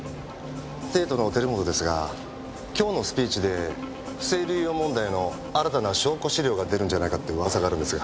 帝都の照本ですが今日のスピーチで不正流用問題の新たな証拠資料が出るんじゃないかって噂があるんですが。